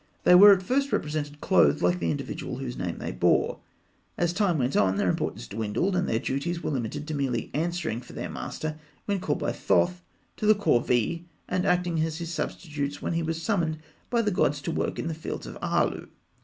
They were at first represented clothed like the individual whose name they bore. As time went on, their importance dwindled, and their duties were limited to merely answering for their master when called by Thoth to the corvée, and acting as his substitutes when he was summoned by the gods to work in the Fields of Aalû.